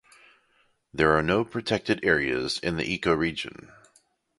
There are no protected areas in the ecoregion.